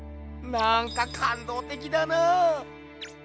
なんかかんどうてきだなぁ！